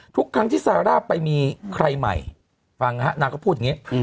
ทุกครั้งที่ซาร่าไปมีใครใหม่ฟังนะฮะนางก็พูดอย่างนี้